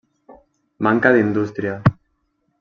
Manca d'indústria.